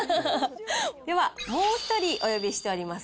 では、もう１人お呼びしております。